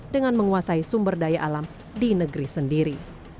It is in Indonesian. dengan menguasai sumber daya alam di negeri sendiri